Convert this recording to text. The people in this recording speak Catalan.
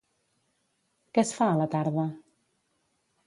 Què es fa a la tarda?